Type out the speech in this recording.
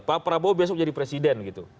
pak prabowo besok jadi presiden gitu